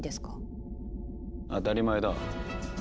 当たり前だ。